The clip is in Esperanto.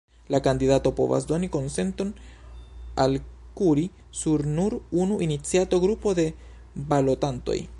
La kandidato povas doni konsenton al kuri sur nur unu iniciato grupo de balotantoj.